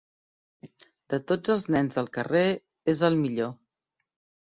De tots els nens del carrer, és el millor.